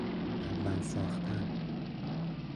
مدون ساختن